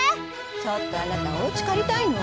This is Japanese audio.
ちょっとあなたおうちかりたいの？